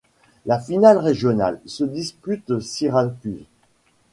La finale régionale se dispute Syracuse.